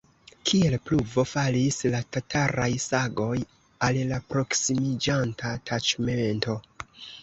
Kiel pluvo falis la tataraj sagoj al la proksimiĝanta taĉmento.